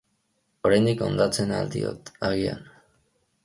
Oraindik hondatzen ahal diot, agian.